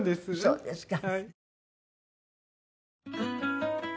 そうですか。